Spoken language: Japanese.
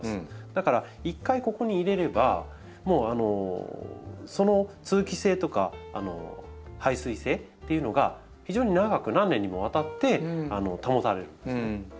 だから一回ここに入れればもうその通気性とか排水性っていうのが非常に長く何年にもわたって保たれるんです。